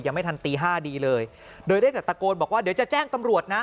ไม่ทันตีห้าดีเลยโดยได้แต่ตะโกนบอกว่าเดี๋ยวจะแจ้งตำรวจนะ